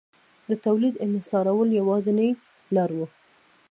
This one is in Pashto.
د تولید انحصارول یوازینۍ لار وه